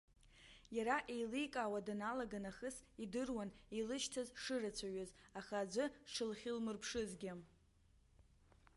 Иара еиликаауа даналага нахыс идыруан, илышьҭаз шырацәаҩыз, аха аӡәы дшылхьылмырԥшызгьы.